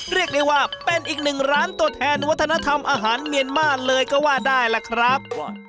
เรียกได้ว่าเป็นอีกหนึ่งร้านตัวแทนวัฒนธรรมอาหารเมียนมาร์เลยก็ว่าได้ล่ะครับ